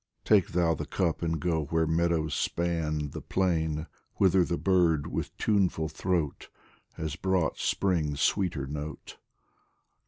Take thou the cup and go where meadows span The plain, whither the bird with tuneful throat Has brought Spring's sweeter note.